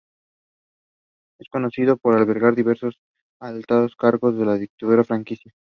Es conocido por albergar a diversos altos cargos de la dictadura franquista.